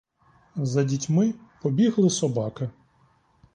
За дітьми побігли собаки.